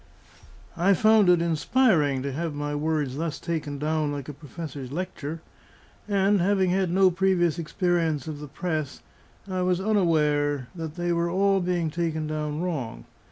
I found it inspiring to have my words thus taken down like a professor's lecture; and having had no previous experience of the press, I was unaware that they were all being taken down wrong.